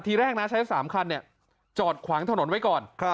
ทีแรกนะใช้๓คันจอดขวางถนนไว้ก่อน